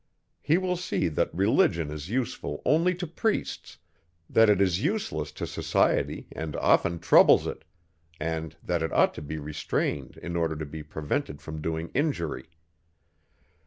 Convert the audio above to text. He will see, that Religion is useful only to priests, that it is useless to society and often troubles it, and that it ought to be restrained in order to be prevented from doing injury.